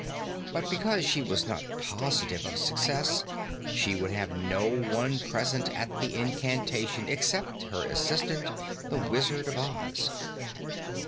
But because she was not positive of success she would have no one present at the incantation except her assistant, the Wizard of Oz.